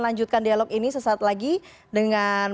lanjutkan dialog ini sesaat lagi dengan